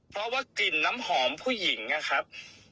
เพราะว่ากลิ่นน้ำหอมผู้หญิงนะครับ